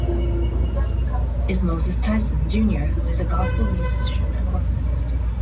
Stone's cousin is Moses Tyson, Junior who is a gospel musician and organist.